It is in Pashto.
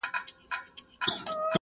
هغه د ادب قدر کوونکی انسان و.